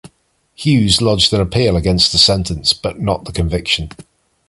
Hughes lodged an appeal against the sentence, but not the conviction.